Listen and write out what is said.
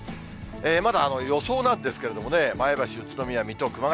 まだ予想なんですけれどもね、前橋、宇都宮、水戸、熊谷。